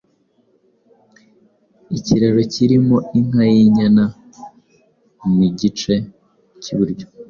ikiraro kirimo inka y’inyana, mu gice cy’iburyo,